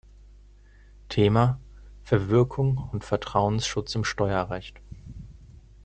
Thema: „Verwirkung und Vertrauensschutz im Steuerrecht“.